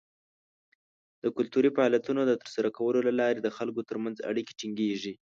د کلتوري فعالیتونو د ترسره کولو له لارې د خلکو تر منځ اړیکې ټینګیږي.